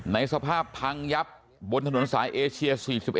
ในสภาพพังยับบนถนนสายเอเชีย๔๑